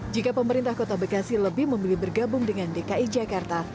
jika pemerintah kota bekasi lebih memilih bergabung dengan dki jakarta